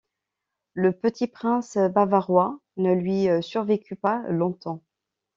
Le petit prince bavarois ne lui survécut pas longtemps.